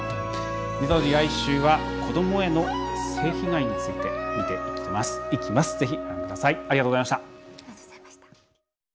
来週は子どもへの性被害について見ていきます。